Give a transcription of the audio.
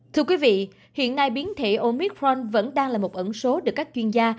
thưa quý vị hiện nay biến thể omicron vẫn đang là một ẩn số được các chuyên gia